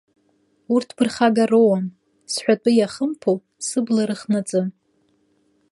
Урҭ ԥырхага роуам, сҳәатәы иахымԥо, сыбла рыхнаҵы.